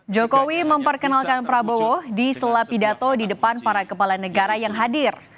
jokowi memperkenalkan prabowo di sela pidato di depan para kepala negara yang hadir